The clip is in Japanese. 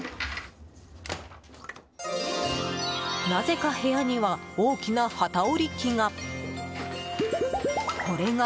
なぜか部屋には大きな機織り機が。